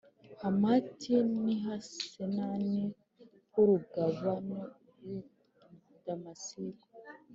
Hamati n i hasarenani h urugabano rw i damasiko